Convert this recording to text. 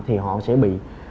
thì họ sẽ bị